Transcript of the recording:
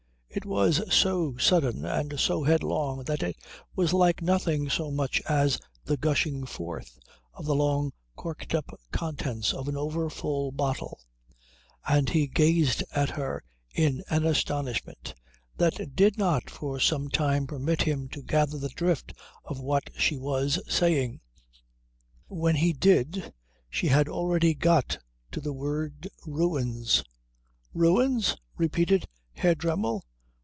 It was so sudden and so headlong that it was like nothing so much as the gushing forth of the long corked up contents of an over full bottle, and he gazed at her in an astonishment that did not for some time permit him to gather the drift of what she was saying. When he did she had already got to the word Ruins. "Ruins?" repeated Herr Dremmel.